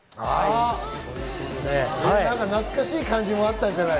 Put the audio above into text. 懐かしい感じもあったんじゃない？